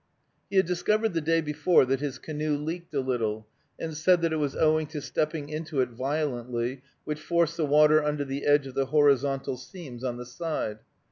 He had discovered the day before that his canoe leaked a little, and said that it was owing to stepping into it violently, which forced the water under the edge of the horizontal seams on the side.